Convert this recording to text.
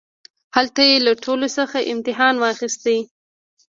هلته يې له ټولوڅخه امتحان واخيست.